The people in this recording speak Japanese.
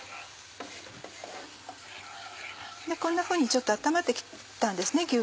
こんなふうにちょっと温まって来たんですね